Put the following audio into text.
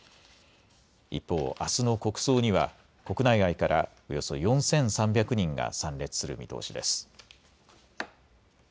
一方、あすの国葬には国内外からおよそ４３００人が参列する見通しです。